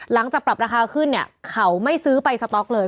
ปรับราคาขึ้นเนี่ยเขาไม่ซื้อไปสต๊อกเลย